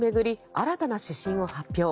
新たな指針を発表。